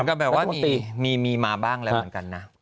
ก็แบบว่ามีมาบ้างแล้วเหมือนกันนะ